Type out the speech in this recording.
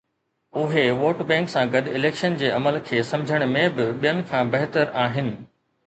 اهي vote bank سان گڏ اليڪشن جي عمل کي سمجهڻ ۾ به ٻين کان بهتر آهن.